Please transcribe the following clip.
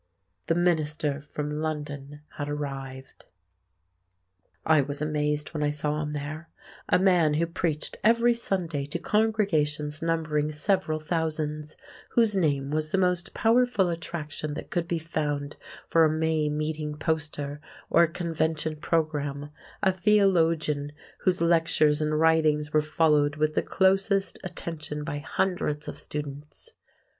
"The minister from London" had arrived. I was amazed when I saw him there—a man who preached every Sunday to congregations numbering several thousands; whose name was the most powerful attraction that could be found for a May meeting poster or a Convention programme; a theologian whose lectures and writings were followed with the closest attention by hundreds of students.